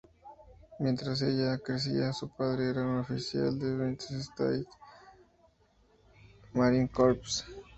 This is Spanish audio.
Mientras ella crecía, su padre era un oficial de la United States Marine Corps.